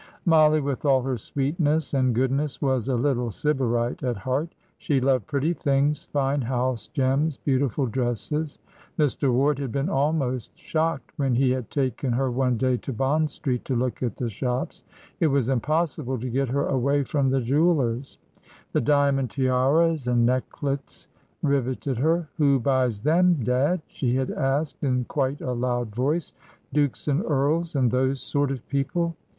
Mollie, with all her sweetness and goodness, was a little Sybarite at heart. She loved pretty things, fine house, gems, beautiful dresses. Mr. Ward had been almost shocked when he had taken her one day to Bond Street to look at the shops. It was impossible to get her away from the jewellers'; the diamond tiaras and necklets riveted her. "Who buys them, dad?" she had asked, in quite a loud voice; "dukes and earls, and those sort of people?"